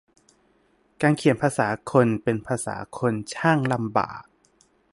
การเขียนภาษาคนเป็นภาษาคนช่างลำบาก